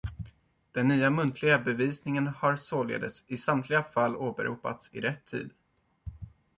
Den nya muntliga bevisningen har således i samtliga fall åberopats i rätt tid.